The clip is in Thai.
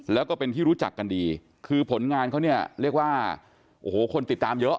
แล้วก็เป็นที่รู้จักกันดีคือผลงานเขาเนี่ยเรียกว่าโอ้โหคนติดตามเยอะ